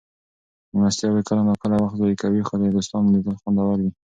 مېلمستیاوې کله ناکله وخت ضایع کوي خو د دوستانو لیدل خوندور وي.